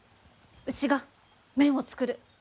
うちが麺を作る。